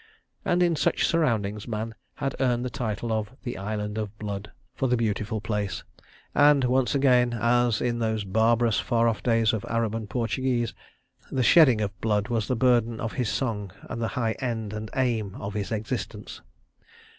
... And in such surroundings Man had earned the title of "The Island of Blood" for the beautiful place—and, once again, as in those barbarous far off days of Arab and Portuguese, the shedding of blood was the burden of his song and the high end and aim of his existence.